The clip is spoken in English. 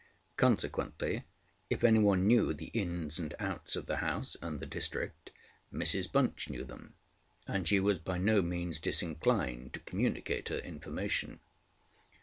Consequently, if anyone knew the ins and outs of the house and the district, Mrs Bunch knew them; and she was by no means disinclined to communicate her information.